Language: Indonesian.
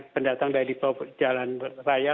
pendatang dari jalan raya